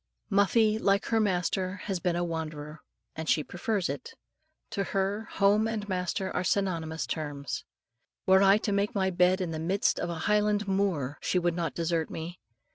Muffie, like her master, has been a wanderer, and she prefers it. To her, home and master are synonymous terms. Were I to make my bed in the midst of a highland moor, she would not desert me.